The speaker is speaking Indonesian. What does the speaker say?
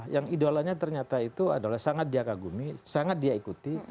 yang idolanya ternyata itu adalah sangat dia kagumi sangat dia ikuti